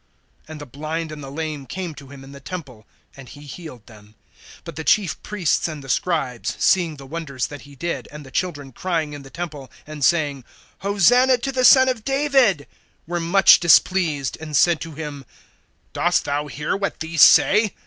(14)And the blind and the lame came to him in the temple, and he healed them. (15)But the chief priests and the scribes, seeing the wonders that he did, and the children crying in the temple, and saying, Hosanna to the Son of David, were much displeased, (16)and said to him: Dost thou hear what these say?